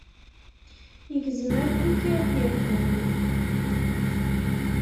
Igzem afurk iɣef iqqim.